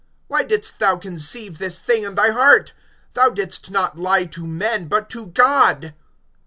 Why didst thou conceive this thing in thy heart? Thou didst not lie to men, but to God.